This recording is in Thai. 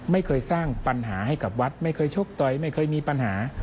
ไม่เคยสร้างปัญหาให้กับวัดไม่เคยชกต่อยไม่เคยมีปัญหา